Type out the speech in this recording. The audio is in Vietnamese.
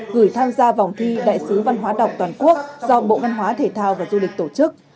gửi tham gia vòng thi đại sứ văn hóa đọc toàn quốc do bộ văn hóa thể thao và du lịch tổ chức